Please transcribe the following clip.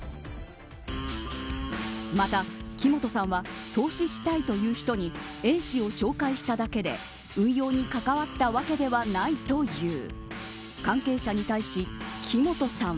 また、木本さんは投資したいという人にＡ氏を紹介しただけで運用に関わったわけではないという。